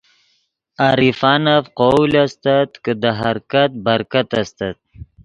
عارفانف قول استت کہ دے حرکت برکت استت